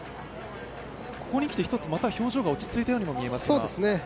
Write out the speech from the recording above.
ここに来て一つ、また表情が落ち着いたようにも見えますが。